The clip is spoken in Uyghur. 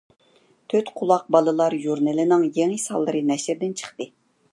«تۆتقۇلاق بالىلار ژۇرنىلى»نىڭ يېڭى سانلىرى نەشردىن چىقتى.